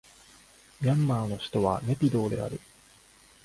ミャンマーの首都はネピドーである